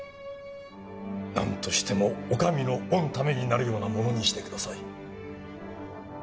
何としてもお上の御為になるようなものにしてください